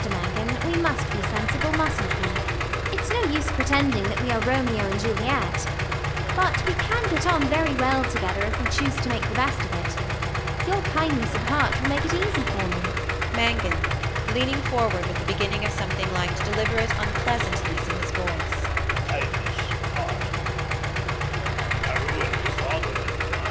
ELLIE. Mr Mangan, we must be sensible, mustn't we? It's no use pretending that we are Romeo and Juliet. But we can get on very well together if we choose to make the best of it. Your kindness of heart will make it easy for me. MANGAN [leaning forward, with the beginning of something like deliberate unpleasantness in his voice]. Kindness of heart, eh? I ruined your father, didn't I? ELLIE.